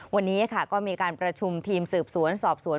วันนี้ค่ะก็มีการประชุมทีมสืบสวนสอบสวน